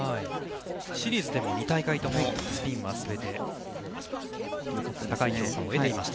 シリーズでも２大会ともスピンは全て高い評価を得ていました。